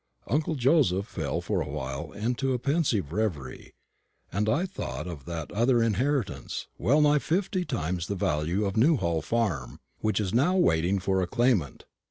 Uncle Joseph fell for a while into a pensive reverie, and I thought of that other inheritance, well nigh fifty times the value of Newhall farm, which is now waiting for a claimant.